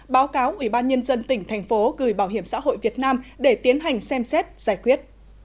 báo cáo ủy ban nhân dân tỉnh thành phố gửi bảo hiểm xã hội việt nam để tiến hành xem xét giải quyết